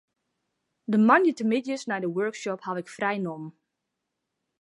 De moandeitemiddeis nei de workshop haw ik frij nommen.